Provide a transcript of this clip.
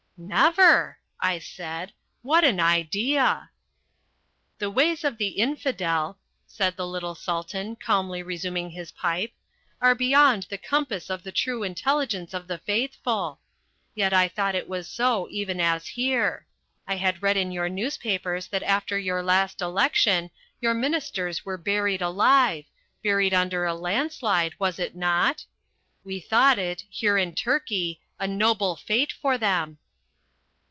"Never!" I said. "What an idea!" "The ways of the infidel." said the little Sultan, calmly resuming his pipe, "are beyond the compass of the true intelligence of the Faithful. Yet I thought it was so even as here. I had read in your newspapers that after your last election your ministers were buried alive buried under a landslide, was it not? We thought it here in Turkey a noble fate for them."